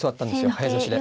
早指しで。